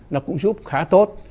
nó cũng giúp khá tốt